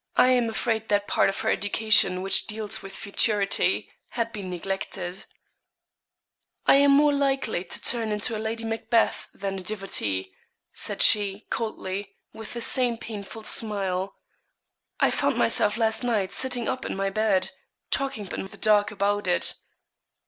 I am afraid that part of her education which deals with futurity had been neglected. 'I am more likely to turn into a Lady Macbeth than a dévote,' said she, coldly, with the same painful smile. 'I found myself last night sitting up in my bed, talking in the dark about it.'